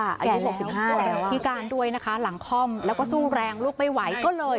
อายุ๖๕แล้วพิการด้วยนะคะหลังคล่อมแล้วก็สู้แรงลูกไม่ไหวก็เลย